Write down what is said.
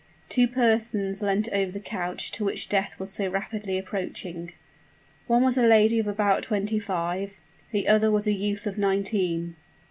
Two persons leant over the couch to which death was so rapidly approaching. One was a lady of about twenty five: the other was a youth of nineteen.